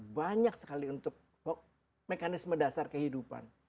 banyak sekali untuk mekanisme dasar kehidupan